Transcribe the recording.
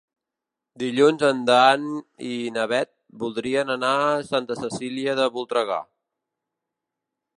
Dilluns en Dan i na Bet voldrien anar a Santa Cecília de Voltregà.